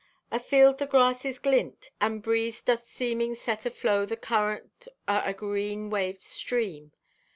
"Afield the grasses glint, and breeze doth seeming set aflow the current o' a green waved stream.